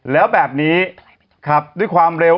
แล้วแบบนี้ขับด้วยความเร็ว